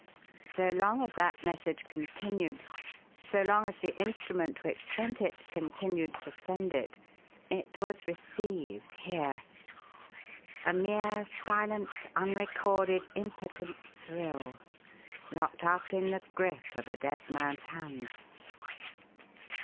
So long as that message continued, so long as the instrument which sent it continued to send it, it was 'received' here a mere silent, unrecorded, impotent thrill locked up in the grip of a dead man's hand.